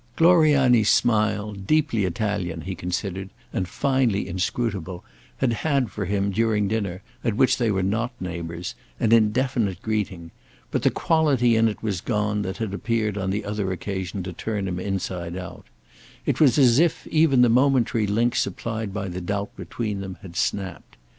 Gloriani's smile, deeply Italian, he considered, and finely inscrutable, had had for him, during dinner, at which they were not neighbours, an indefinite greeting; but the quality in it was gone that had appeared on the other occasion to turn him inside out; it was as if even the momentary link supplied by the doubt between them had snapped.